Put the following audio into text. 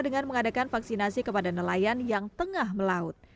dengan mengadakan vaksinasi kepada nelayan yang tengah melaut